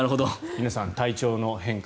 皆さん体調の変化